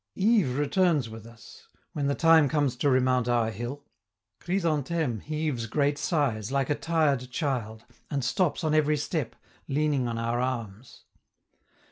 Yves returns with us, when the time comes to remount our hill; Chrysantheme heaves great sighs like a tired child, and stops on every step, leaning on our arms.